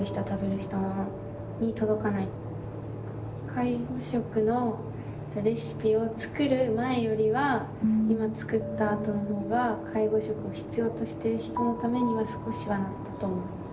介護食のレシピを作る前よりは今作ったあとの方が介護食を必要としている人のためには少しはなったと思います。